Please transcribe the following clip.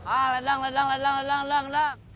ah ledang ledang ledang ledang ledang